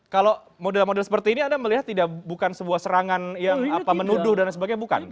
kalau model model seperti ini anda melihat bukan sebuah serangan yang menuduh dan sebagainya bukan